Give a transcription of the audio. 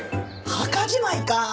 墓じまいか。